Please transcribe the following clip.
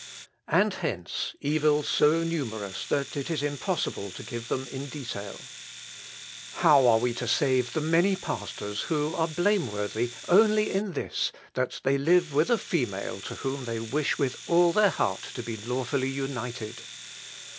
And hence, evils so numerous, that it is impossible to give them in detail. What is to be done? How are we to save the many pastors who are blameworthy only in this, that they live with a female, to whom they wish with all their heart to be lawfully united?